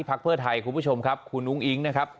เพื่อไทยคุณผู้ชมครับคุณอุ้งอิ๊งนะครับ